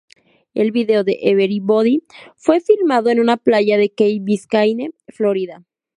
El vídeo de "Everybody" fue filmado en una playa de Key Biscayne, Florida.